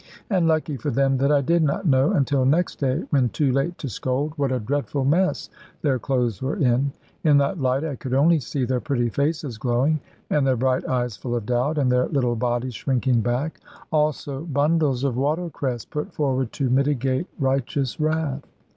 And lucky for them that I did not know, until next day, when too late to scold, what a dreadful mess their clothes were in. In that light I could only see their pretty faces glowing, and their bright eyes full of doubt, and their little bodies shrinking back. Also bundles of water cress put forward to mitigate righteous wrath.